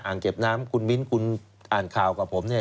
เก็บน้ำคุณมิ้นคุณอ่านข่าวกับผมเนี่ย